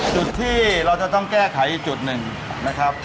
จุดที่เราจะต้องแก้ไขอีกจุดหนึ่งนะครับ